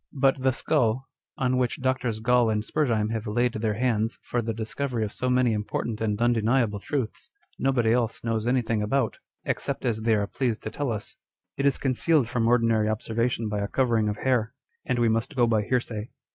But the skull, on which Drs. Gall and Spurzheim have laid their hands for the discovery of so many important and undeniable truths, nobody else knows anything about, except as they are pleased to tell us. It is concealed from ordinary ob servation by a covering of hair, and we must go by hearsay.